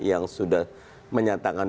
yang sudah menyatakan